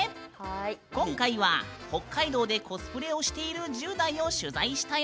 今回は北海道でコスプレをしている１０代を取材したよ。